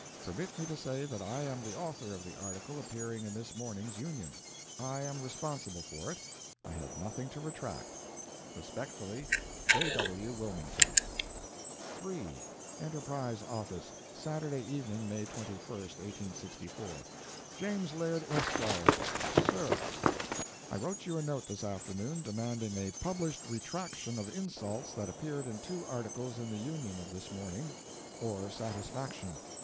Permit me to say that I am the author of the Article appearing in this morning's Union. I am responsible for it. I have nothing to retract. Respectfully, J. W. WILMINGTON [ III ] ENTERPRISE OFFICE, Saturday Evening, May 21, 1864 JAMES LAIRD, ESQ.—Sir:—I wrote you a note this afternoon demanding a published retraction of insults that appeared in two Articles in the Union of this morning—or satisfaction.